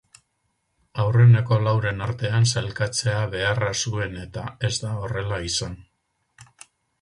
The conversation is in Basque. Aurreneko lauren artean sailkatzea beharra zuen eta ez da horrela izan.